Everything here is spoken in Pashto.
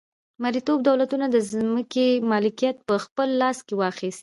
مرئیتوب دولتونو د ځمکې مالکیت په خپل لاس کې واخیست.